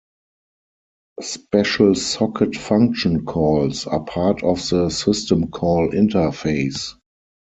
Special socket function calls are part of the System Call Interface.